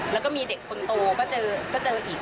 แล้วก็มีเด็กคนโตก็เจออีก